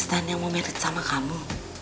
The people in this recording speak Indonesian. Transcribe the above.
tante mau married sama kamu